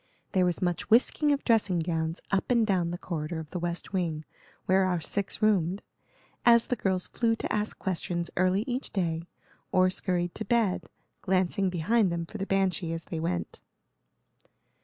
There was much whisking of dressing gowns up and down the corridor of the west wing, where our six roomed, as the girls flew to ask questions early each day, or scurried to bed, glancing behind them for the banshee as they went.